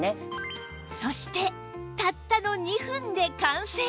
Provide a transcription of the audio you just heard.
そしてたったの２分で完成！